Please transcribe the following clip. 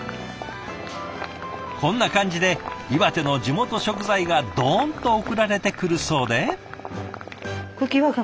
こんな感じで岩手の地元食材がどんと送られてくるそうで。